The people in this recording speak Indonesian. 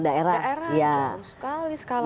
daerah cukup sekali skalanya ya